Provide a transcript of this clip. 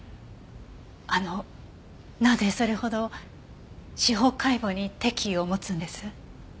あのなぜそれほど司法解剖に敵意を持つんです？